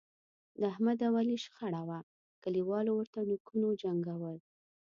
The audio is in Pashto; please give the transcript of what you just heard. د احمد او علي سره شخړه وه، کلیوالو ورته نوکونو جنګول.